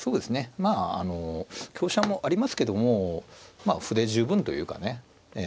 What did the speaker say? まああの香車もありますけどもまあ歩で十分というかねええ。